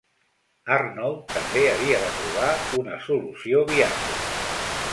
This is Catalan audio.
Arnold també havia de trobar una solució viable.